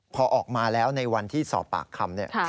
พอออกมาแล้วในวันที่สอบปากคำเนี่ย